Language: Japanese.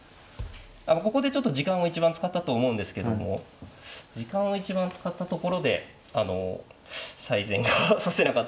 ここでちょっと時間を一番使ったと思うんですけども時間を一番使ったところであの最善が指せなかったです。